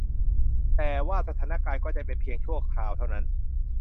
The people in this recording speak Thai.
แต่ว่าสถานการณ์ก็จะเป็นเพียงชั่วคราวเท่านั้น